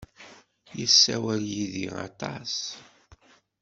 Yessawal yid-i aṭas.